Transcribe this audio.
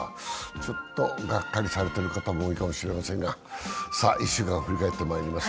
ちょっとがっかりされている方も多いかもしれませんが、１週間を振り返ってまいります。